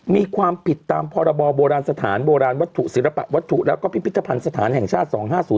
มีความผิดตามพรบโบราณสถานโบราณวัตถุศิลปะวัตถุแล้วก็พิพิธภัณฑ์สถานแห่งชาติ๒๕๐